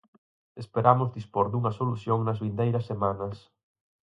Esperamos dispor dunha solución nas vindeiras semanas.